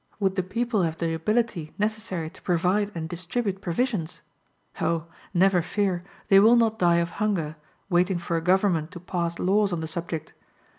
Would the people have the ability necessary to provide and distribute provisions? Oh! never fear, they will not die of hunger, waiting for a government to pass laws on the subject.